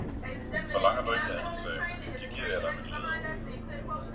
Forlanger du ikke andet, sagde hun, det giver jeg dig med glæde!